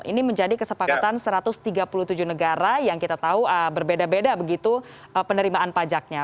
ini menjadi kesepakatan satu ratus tiga puluh tujuh negara yang kita tahu berbeda beda begitu penerimaan pajaknya